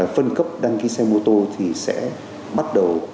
phân cấp đăng ký xe mô tô thì sẽ bắt đầu